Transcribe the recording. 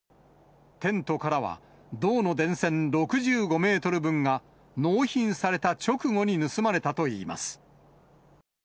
テントからは、銅の電線６５メートル分が納品された直後に盗まれたといいます。